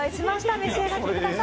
召し上がってください。